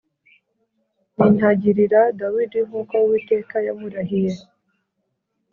Nintagirira Dawidi nk’uko Uwiteka yamurahiye